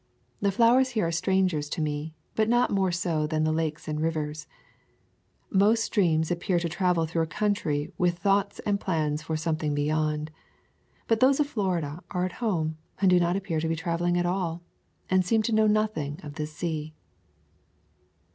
The flowers here are strangers to me, but not more so than the rivers and lakes. Most streams ap pear to travel through a country with thoughts and plans for something beyond. But those of Florida are at home, do not appear to be travel ing at all, and seem to know nothing of the sea.